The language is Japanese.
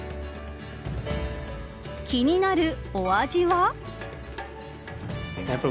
気になるお味は。